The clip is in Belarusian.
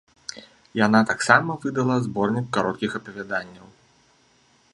Яна таксама выдала зборнік кароткіх апавяданняў.